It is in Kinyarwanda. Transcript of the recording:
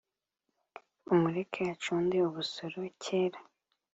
umureke acunde ubusoro kera